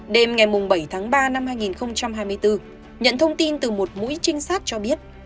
đêm ngày bảy tháng ba năm hai nghìn hai mươi bốn nhận thông tin từ một mũi trinh sát cho biết